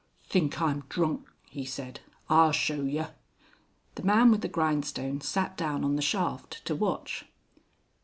"Think I'm drun," he said, "I show yer." The man with the grindstone sat down on the shaft to watch.